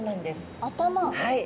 はい。